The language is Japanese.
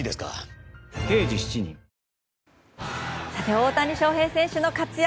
大谷翔平選手の活躍